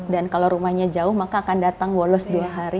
dan kalau rumahnya jauh maka akan datang bolos dua hari